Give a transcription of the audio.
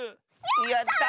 やった！